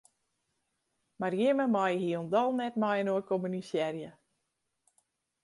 Mar jimme meie hielendal net mei-inoar kommunisearje.